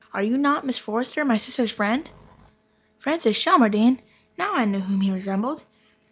Are you not Miss Forrester, my sister's friend?" Francis Shelmardine! Now I knew whom he resembled.